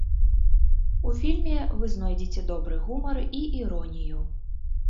У фільме вы знойдзеце добры гумар і іронію.